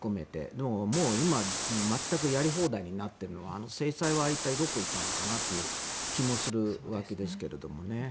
でも、今は全くやり放題になっているのはあの制裁は一体どこへ行ったのかなという気もするわけですが。